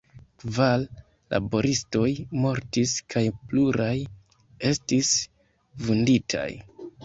Kvar laboristoj mortis kaj pluraj estis vunditaj.